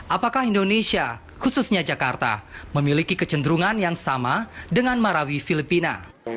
apakah indonesia khususnya jakarta memiliki kecenderungan yang sama dengan marawi filipina